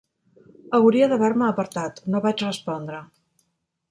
Hauria d'haver-me apartat. No vaig respondre.